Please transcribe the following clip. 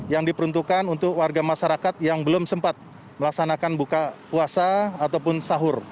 yang diperuntukkan untuk warga masyarakat yang belum sempat melaksanakan buka puasa ataupun sahur